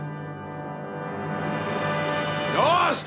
よし！